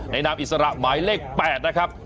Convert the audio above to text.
นามอิสระหมายเลข๘นะครับ